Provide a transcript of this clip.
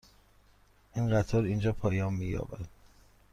این قطار اینجا پایان می یابد.